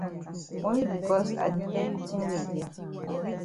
Only becos I di tell you tin wey e dey.